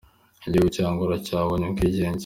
Igihugu cya Angola cyabonye ubwigenge.